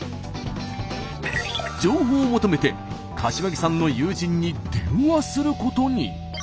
情報を求めて柏木さんの友人に電話することに。